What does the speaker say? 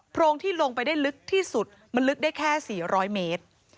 โรงที่ลงไปได้ลึกที่สุดมันลึกได้แค่๔๐๐เมตร